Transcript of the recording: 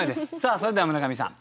それでは村上さん